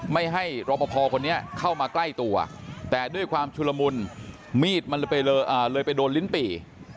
ไม่ให้รอปภคนนี้เข้ามาใกล้ตัวแต่ด้วยความชุลมุนมีดมันเลยไปโดนลิ้นปี่